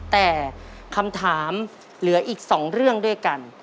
แต่คำถามเหลืออีก๒เรื่องด้วยกัน